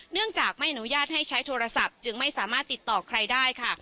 เนื่องจากไม่อนุญาตให้ใช้โทรศัพท์จึงไม่สามารถติดต่อใครได้ค่ะ